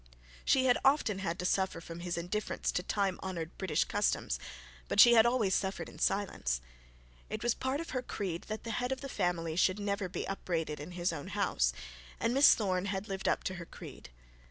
She had often had to suffer from his indifference to time honoured British customs; but she had always suffered in silence. It was part of her creed that the head of the family should never be upbraided in his own house; and Miss Thorne had lived up to her creed.